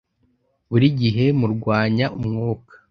buri gihe murwanya umwuka.